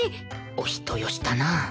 お人よしだな